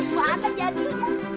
gua ada janjinya